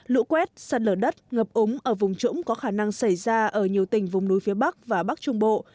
lũ quét sạt lở đất ngập úng ở vùng trũng có khả năng xảy ra ở nhiều tỉnh vùng núi phía bắc và bắc trung bộ